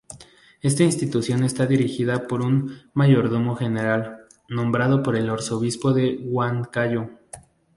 Esta institución está dirigida por un Mayordomo General, nombrado por el Arzobispo de Huancayo.